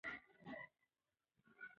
تاسو کله کابل ته ځئ؟